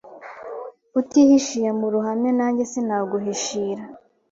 utihishiye mu ruhame nanjye sinaguhishira